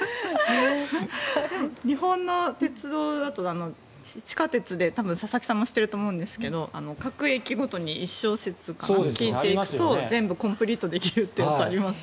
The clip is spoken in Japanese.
日本の鉄道だと地下鉄で多分佐々木さんも知っていると思いますが各駅ごとに１小節聴いていくと全部コンプリートできるってやつがありますよね。